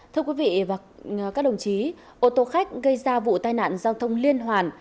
thưa quý vị và các đồng chí ô tô khách gây ra vụ tai nạn giao thông liên hoàn